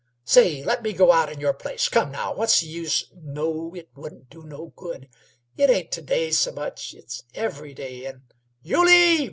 "Say! let me go out in your place. Come, now; what's the use " "No; it wouldn't do no good. It ain't t'day s' much; it's every day, and " "Yulie!"